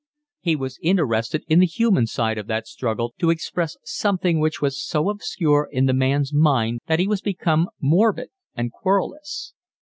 He was interested in the human side of that struggle to express something which was so obscure in the man's mind that he was become morbid and querulous.